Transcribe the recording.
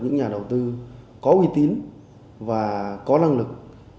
những nhà đầu tư có uy tín và có năng lực